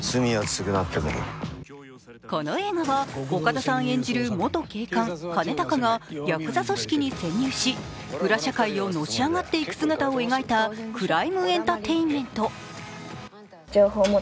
この映画は、岡田さん演じる元警官・兼高がやくざ組織に潜入し裏社会をのし上がっていく姿を描いたクライム・エンターテインメント。